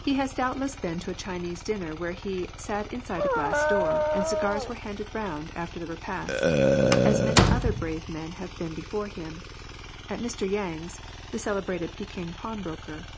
He has doubtless been to a Chinese dinner where he " sat in side a glass door, and cigars were handed round after the repast," as many other brave men have been before him, — at Mr Yang's, the celebrated Peking pawn broker.